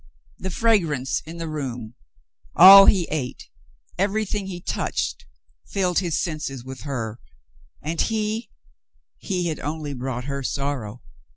The fra grance in the room, all he ate, everything he touched, filled his senses with her ; and he — he had only brought her sorrow.